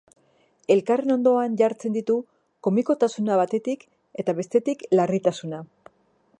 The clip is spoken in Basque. Elkarren ondoan jartzen ditu komikotasuna batetik, eta bestetik, larritasuna.